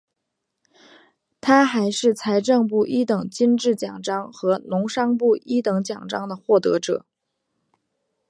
他还是财政部一等金质奖章和农商部一等奖章的获得者。